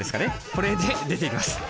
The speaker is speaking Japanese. これで出ていきます。